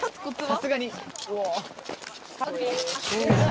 さすがに。